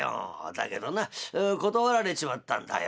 だけどな断られちまったんだよ」。